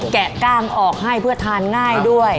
แกะกล้างออกให้เพื่อทานง่ายด้วย